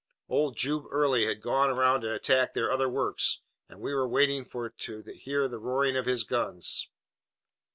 Old Jube Early had gone around to attack their other works, and we were waiting to hear the roaring of his guns.